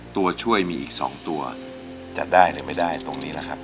ตัวช่วยมีอีก๒ตัวจะได้หรือไม่ได้ตรงนี้แหละครับ